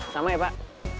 sama ya pak